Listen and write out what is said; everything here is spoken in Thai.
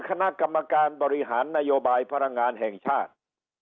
คณะกรรมการบริหารนโยบายพลังงานแห่งชาติ